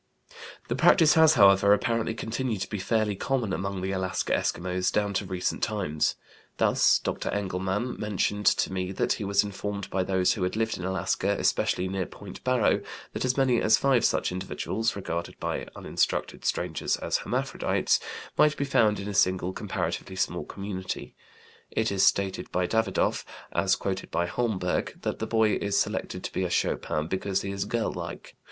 The practice has, however, apparently continued to be fairly common among the Alaska Eskimos down to recent times. Thus Dr. Engelmann mentioned to me that he was informed by those who had lived in Alaska, especially near Point Barrow, that as many as 5 such individuals (regarded by uninstructed strangers as "hermaphrodites") might be found in a single comparatively small community. It is stated by Davydoff, as quoted by Holmberg, that the boy is selected to be a schopan because he is girl like.